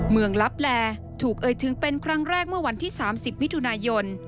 ลับแลถูกเอ่ยถึงเป็นครั้งแรกเมื่อวันที่๓๐มิถุนายน